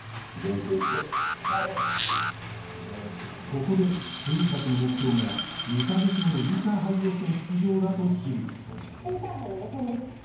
ここで部員たちの目標が２カ月後のインターハイ予選出場だと知るインターハイの予選です。